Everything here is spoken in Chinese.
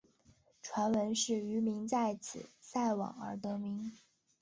传闻是渔民在此晒网而得名。